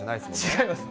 違います。